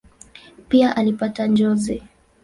Pia alipata njozi.